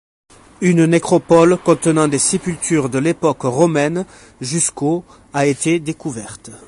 Une nécropole contenant des sépultures de l'époque romaine jusqu'au a été découverte.